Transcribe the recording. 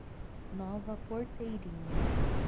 Nova Porteirinha